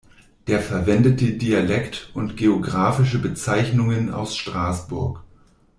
Der verwendete Dialekt und geographische Bezeichnungen aus Straßburg.